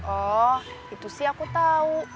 oh itu sih aku tahu